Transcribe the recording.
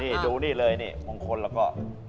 นี่ดูนี่เลยนี่มงคลแล้วก็